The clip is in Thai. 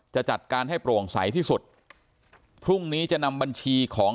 จะจัดการให้โปร่งใสที่สุดพรุ่งนี้จะนำบัญชีของ